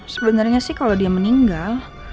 sebenarnya sih kalau dia meninggal